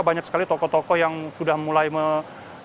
banyak sekali toko toko yang sudah mulai melakukan